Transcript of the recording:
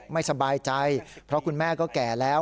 ไม่สบายใจเพราะคุณแม่ก็แก่แล้ว